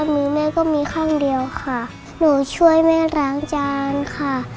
เดี๋ยวก็มีครั้งเดียวค่ะหนูช่วยแม่ร้างจานค่ะ